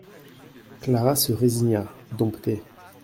Clara se résigna, domptée.